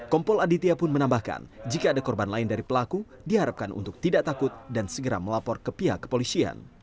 kompol aditya pun menambahkan jika ada korban lain dari pelaku diharapkan untuk tidak takut dan segera melapor ke pihak kepolisian